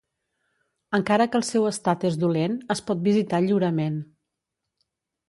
Encara que el seu estat és dolent, es pot visitar lliurement.